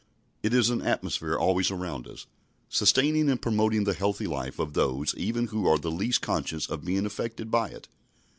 It is an atmosphere always around us, sustaining and promoting the healthy life of those even who are the least conscious of being affected by it.